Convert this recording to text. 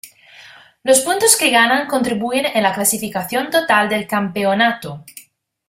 Los puntos que ganan contribuyen en la clasificación total del campeonato.